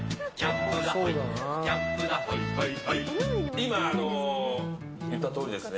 今、言ったとおりですね